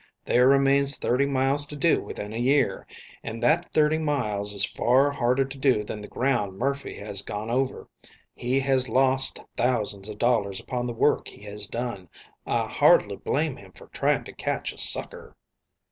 There remains thirty miles to do within a year. And that thirty miles is far harder to do than the ground Murphy has gone over. He has lost thousands of dollars upon the work he has done. I hardly blame him for trying to catch a sucker."